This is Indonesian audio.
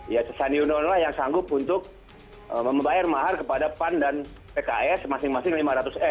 ya sandi uno yang sanggup untuk membayar mahar kepada pan dan pks masing masing lima ratus m